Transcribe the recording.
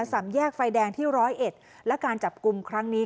สามแยกไฟแดงที่ร้อยเอ็ดและการจับกลุ่มครั้งนี้